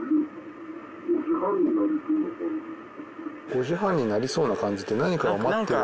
「５時半になりそうな感じ」って何かを待ってるのか。